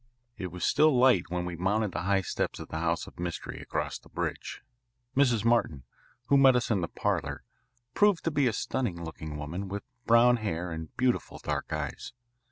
It was still light when we mounted the high steps of the house of mystery across the bridge. Mrs. Martin, who met us in the parlour, proved to be a stunning looking woman with brown hair and beautiful dark eyes.